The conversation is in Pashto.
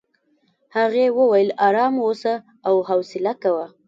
هغې وویل ارام اوسه او حوصله کوه.